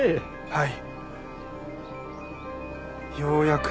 はい。